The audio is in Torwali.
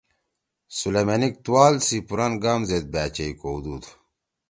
سلیمینک توال سی پران گام زید بأچئی کؤدُود۔